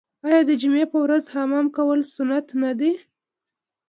آیا د جمعې په ورځ حمام کول سنت نه دي؟